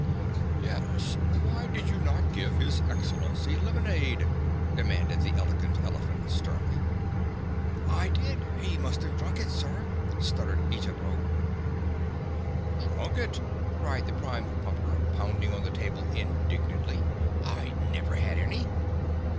"Yes; why did you not give his Excellency lemonade?" demanded the Elegant Elephant sternly. "I did; he must have drunk it, Sir!" stuttered Eejabo. "Drunk it!" cried the Prime Pumper, pounding on the table indignantly. "I never had any!"